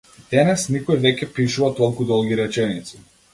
Денес никој веќе пишува толку долги реченици.